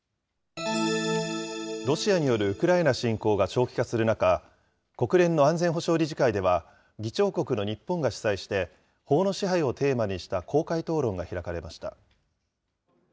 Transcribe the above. ロシアによるウクライナ侵攻が長期化する中、国連の安全保障理事会では、議長国の日本が主催して、法の支配をテーマにした公開討論が開かれました。